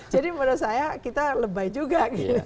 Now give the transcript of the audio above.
jadi menurut saya kita lebay juga